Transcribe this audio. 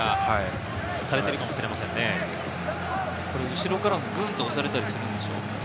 後ろからグンッと押されたりするんでしょう？